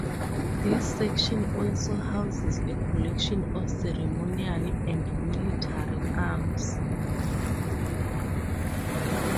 This section also houses a collection of ceremonial and military arms.